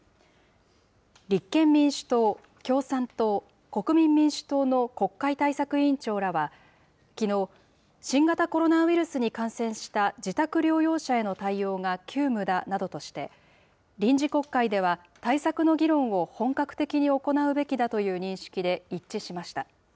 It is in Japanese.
立憲民主党、共産党、国民民主党の国会対策委員長らは、きのう、新型コロナウイルスに感染した自宅療養者への対応が急務だなどとして、臨時国会では対策の議論を本格的に行うべきだという認識で一致しました。